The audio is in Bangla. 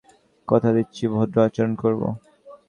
কথা দিচ্ছি, ভদ্র আচরণ করব!